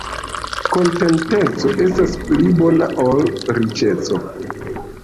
Kontenteco estas pli bona ol riĉeco.